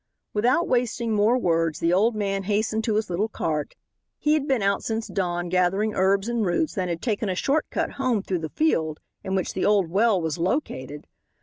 Without wasting more words the old man hastened to his little cart. He had been out since dawn gathering herbs and roots and had taken a short cut home through the field in which the old well was located.